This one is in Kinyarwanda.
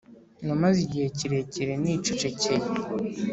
«Namaze igihe kirekire nicecekeye,